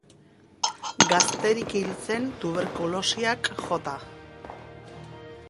Gazterik hil zen tuberkulosiak jota.